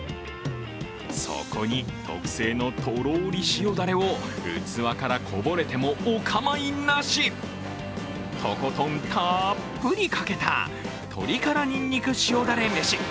そこに、特製のとろり塩だれを器からこぼれてもお構いなしとことんたっぷりかけた鶏唐ニンニク塩ダレ飯。